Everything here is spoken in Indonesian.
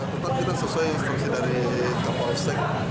kepala kita sesuai instansi dari kapal sek